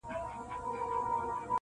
هغه د شنې ویالې پر څنډه شنه ولاړه ونه-